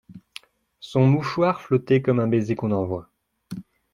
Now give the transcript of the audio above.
Son mouchoir flottait comme un baiser qu'on envoie.